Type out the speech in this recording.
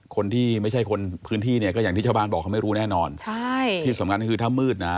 คนที่ไม่ใช่คนพื้นที่เนี่ยก็อย่างที่ชาวบ้านบอกเขาไม่รู้แน่นอนใช่ที่สำคัญก็คือถ้ามืดนะ